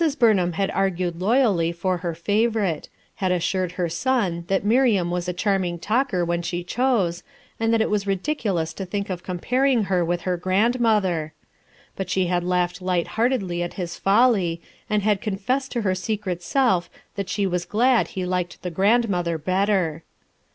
Burnham had argued loyally for her favorite; had assured her son that Miriam was a charming talker when she chose, and that it was ridiculous to think of comparing her with her grandmother 1 But she had laughed light heartedly at Iiis folly, and had confessed to her secret self that she was glad he liked the grand mother better.